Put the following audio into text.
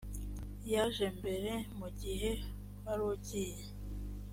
yaje mbere mu gihe warugiye